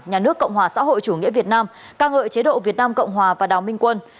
nhà nước cộng hòa xã hội chủ nghĩa việt nam ca ngợi chế độ việt nam cộng hòa và đào minh quân